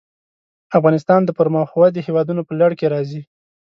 افغانستان د مخ پر ودې هېوادونو په لړ کې راځي.